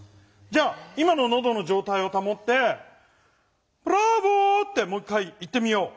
じゃあ今ののどのじょうたいをたもって「ブラボー」ってもう一回言ってみよう。